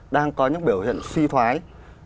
đang có những biểu hiện suy thoái